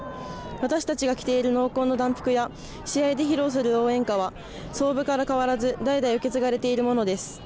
私たちが着ている濃紺の団服や試合で披露する応援歌は創部から変わらず代々受け継がれているものです。